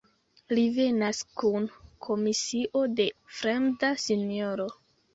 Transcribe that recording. Li venas kun komisio de fremda sinjoro.